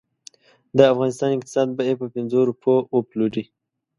د افغانستان اقتصاد به یې په پنځو روپو وپلوري.